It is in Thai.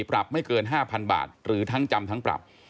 ปรับไม่เกิน๕๐๐๐บาทหรือทั้งจำทั้งปรับ